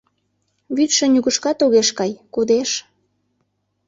Вӱдшӧ нигушкат огеш кай, кодеш...